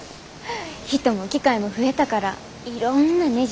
人も機械も増えたからいろんなねじ